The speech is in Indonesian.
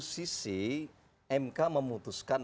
sisi mk memutuskan